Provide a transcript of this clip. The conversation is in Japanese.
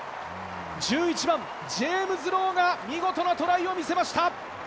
１１番、ジェイムズ・ロウが見事なトライを見せました。